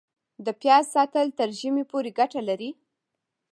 د پیاز ساتل تر ژمي پورې ګټه لري؟